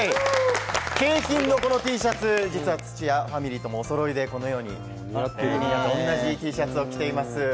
景品のこのＴシャツ、土屋ファミリーともおそろいで、同じＴシャツを着ています。